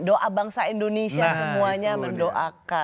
doa bangsa indonesia semuanya mendoakan